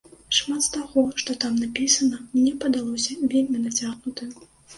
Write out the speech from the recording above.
Шмат з таго, што там напісана, мне падалося вельмі нацягнутым.